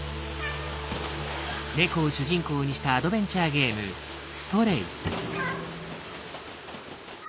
猫を主人公にしたアドベンチャーゲーム「Ｓｔｒａｙ」。